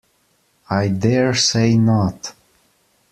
I dare say not.